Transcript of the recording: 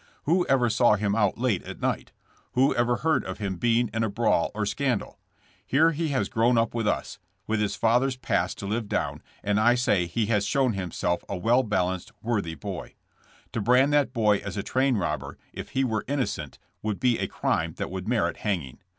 Who ever saw him out late at night? "Who ever heard of him being in a brawl or scandal? Here he has grown up with us, with his father's past to live down, and I say he has shown himself a well balanced, worthy boy. *'' To brand that boy as a train robber, if he were innocent, would be a crime that would merit hang ing.